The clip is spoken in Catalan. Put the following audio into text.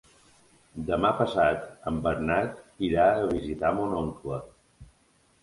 Demà passat en Bernat irà a visitar mon oncle.